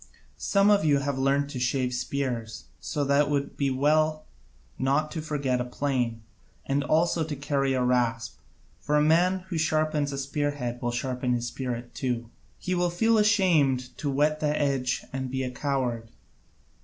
Some of you have learnt to shave spears, so that it would be as well not to forget a plane, and also to carry a rasp, for the man who sharpens a spearhead will sharpen his spirit too. He will feel ashamed to whet the edge and be a coward.